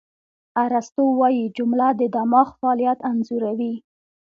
ارسطو وایي، جمله د دماغ فعالیت انځوروي.